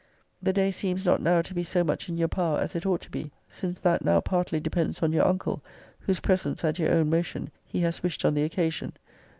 The day seems not now to be so much in your power as it ought to be, since that now partly depends on your uncle, whose presence, at your own motion, he has wished on the occasion.